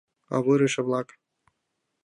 Авырыше-влак.